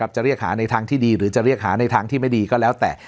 จะเรียกหาในทางที่ดีหรือจะเรียกหาในทางที่ไม่ดีก็แล้วแต่